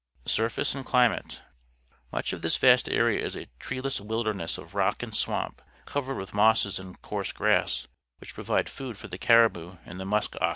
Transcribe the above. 6urface and Climate. — Much of this vast area is a treeless wilderness of rock and swamp, covered with mosses and coarse grass, which provide food for the caribou and the musk ox.